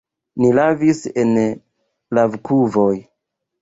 Ni lavis en lavkuvoj.